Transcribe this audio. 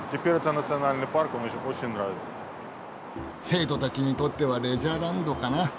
生徒たちにとってはレジャーランドかな。